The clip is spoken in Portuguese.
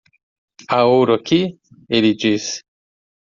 "Há ouro aqui?" ele disse.